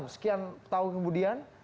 sekian tahun kemudian